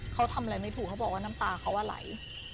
เขาทำอะไรไม่ถูกเขาบอกว่าน้ำตาเขาไหล